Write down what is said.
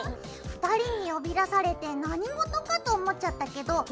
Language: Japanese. ２人に呼び出されて何事かと思っちゃったけど。